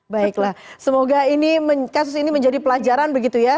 baiklah semoga kasus ini menjadi pelajaran begitu ya